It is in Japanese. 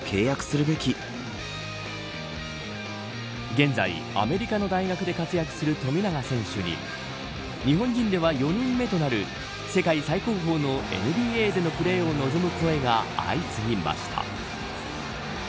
現在、アメリカの大学で活躍する富永選手に日本人では４人目となる世界最高峰のＮＢＡでのプレーを望む声が相次ぎました。